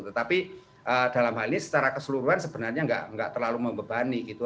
tetapi dalam hal ini secara keseluruhan sebenarnya nggak terlalu membebani gitu